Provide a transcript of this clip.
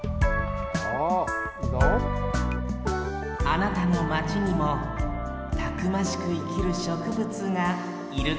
あなたのマチにもたくましくいきるしょくぶつがいるかもしれませんよ